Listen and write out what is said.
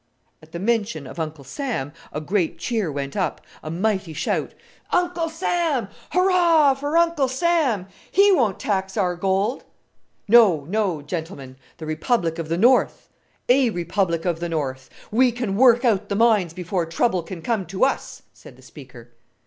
At the mention of "Uncle Sam" a great cheer went up a mighty shout. "Uncle Sam! Hurrah for Uncle Sam! he won't tax our gold!" "No, no, gentlemen the Republic of the North! a Republic of the North! we can work out the mines before trouble can come to us," said the speaker.